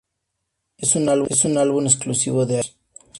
Es un álbum exclusivo de iTunes.